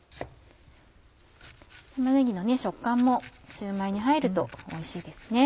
玉ねぎの食感もシューマイに入るとおいしいですね。